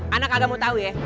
ana kagak mau tau ya